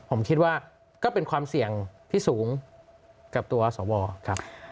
ผมคิดว่าก็เป็นความเสี่ยงที่สูงกับตัวสวครับ